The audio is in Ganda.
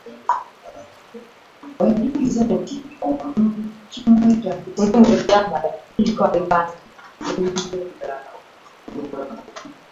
Tetulina buyinza okulyanga n'okunywanga?